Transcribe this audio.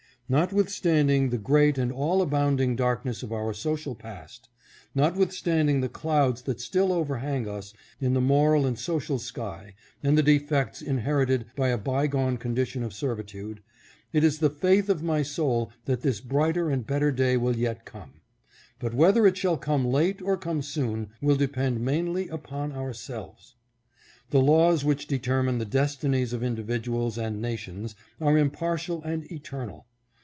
Notwithstanding the great and all abounding darkness of our social past ; notwithstanding the clouds that still overhang us in the moral and social sky and the defects inherited from a bygone condition of servitude, it is the faith of my soul that this brighter and better day will yet come. But whether it shall come late or come soon will depend mainly upon ourselves. The laws which determine the destinies of individuals and nations are impartial and eternal.